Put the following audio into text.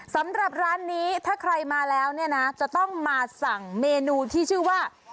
สำหรับร้านนี้ถ้าใครมาแล้วเนี่ยนะจะต้องมาสั่งเมนูที่ชื่อว่า